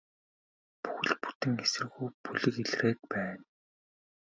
Бүхэл бүтэн эсэргүү бүлэг илрээд байна.